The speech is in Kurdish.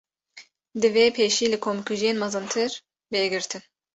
Divê pêşî li komkujiyên mezintir, bê girtin